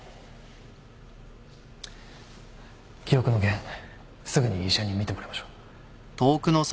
記憶の件すぐに医者に診てもらいましょう。